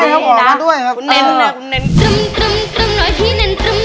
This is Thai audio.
ใช่ครับออกมาด้วยครับ